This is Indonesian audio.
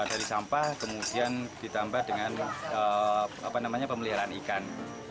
dari sampah kemudian ditambah dengan pemeliharaan ikan